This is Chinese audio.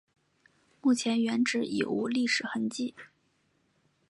目前原址已无历史痕迹。